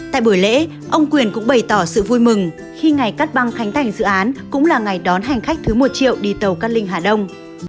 tại buổi lễ ông quyền cũng bày tỏ sự vui mừng khi ngày cắt băng khánh thành dự án cũng là ngày đón hành khách thứ một triệu đi tàu cát linh hà đông